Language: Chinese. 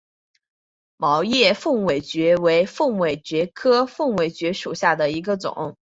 毛叶凤尾蕨为凤尾蕨科凤尾蕨属下的一个种。